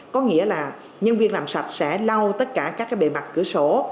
có nghĩa là nhân viên làm sạch sẽ lau tất cả các bề mặt cửa sổ